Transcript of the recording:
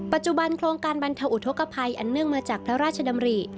ปัจจุบันโครงการบรรเทาอุทธกภัยอันเนื่องมาจากพระราชดำริ